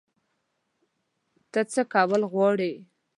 ته څه کول غواړې؟